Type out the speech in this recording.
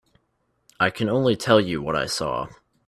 I can only tell you what I saw.